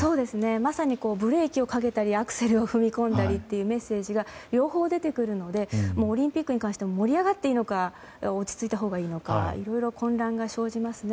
まさにブレーキをかけたりアクセルを踏み込んだりというメッセージが両方出てくるのでオリンピックに関しては盛り上がっていいのか落ち着いたほうがいいのかいろいろ混乱が生じますね。